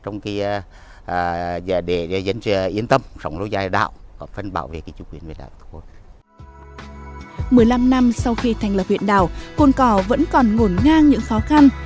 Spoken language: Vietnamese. một mươi năm năm sau khi thành lập huyện đảo côn cò vẫn còn nguồn ngang những khó khăn